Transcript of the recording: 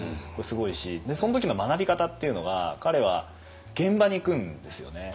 でその時の学び方っていうのが彼は現場に行くんですよね。